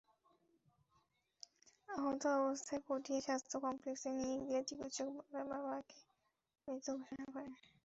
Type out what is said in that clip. আহত অবস্থায় পটিয়া স্বাস্থ্য কমপ্লেক্সে নিয়ে গেলে চিকিৎসক বাবাকে মৃত ঘোষণা করেন।